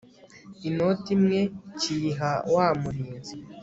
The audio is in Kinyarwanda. inoti imwe kiyiha wamurinzi